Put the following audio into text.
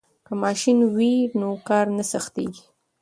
که ماشین وي نو کار نه سختیږي.